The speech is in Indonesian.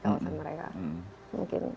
kawasan mereka mungkin